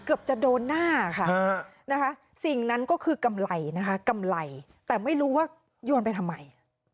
เกือบจะโดนหน้าค่ะสิ่งนั้นก็คือกำไรแต่ไม่รู้ว่ายวนไปทำไม